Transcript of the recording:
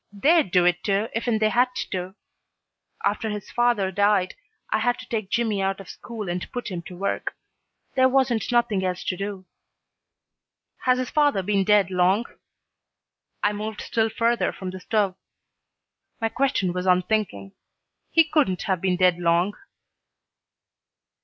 They'd do it, too, ifen they had to. After his father died I had to take Jimmy out of school and put him to work. There wasn't nothing else to do." "Has his father been dead long?" I moved still further from the stove. My question was unthinking. He couldn't have been dead long.